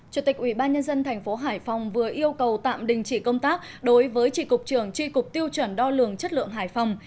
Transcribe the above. chủ tịch ubnd tp hải phòng vừa yêu cầu tạm đình chỉ công tác đối với trị cục trưởng tri cục tiêu chuẩn đo lường chất lượng hải phòng